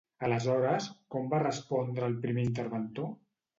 Aleshores, com va respondre el primer interventor?